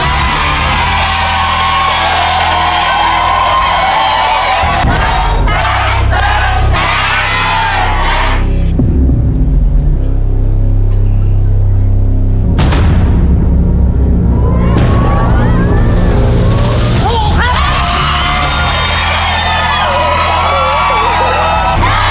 และทุกข้อนี้ได้๑แสงนะ